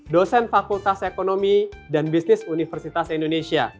dosen fakultas ekonomi dan bisnis universitas indonesia